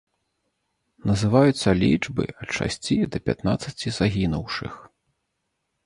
Называюцца лічбы ад шасці да пятнаццаці загінуўшых.